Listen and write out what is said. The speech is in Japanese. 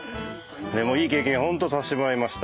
いい経験ホントさせてもらいました。